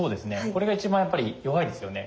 これが一番やっぱり弱いですよね。